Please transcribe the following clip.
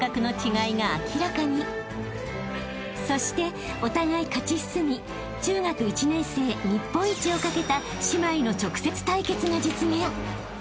［そしてお互い勝ち進み中学１年生日本一をかけた姉妹の直接対決が実現］